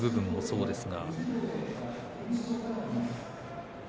そうですね。